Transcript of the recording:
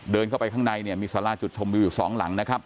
เดินเข้าไปข้างในเนี่ยมีสาราจุดชมวิวอยู่สองหลังนะครับ